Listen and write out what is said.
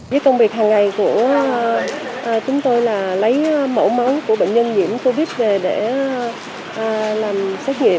với công việc hàng ngày của chúng tôi là lấy mẫu máu của bệnh nhân nhiễm covid về để làm xét nghiệm